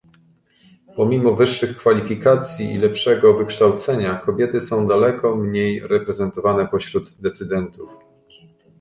Pomimo wyższych kwalifikacji i lepszego wykształcenia kobiety są daleko mniej reprezentowane pośród decydentów